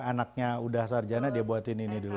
anaknya udah sarjana dia buatin ini dulu